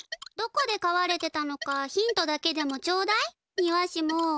どこでかわれてたのかヒントだけでもちょうだいニワシモ。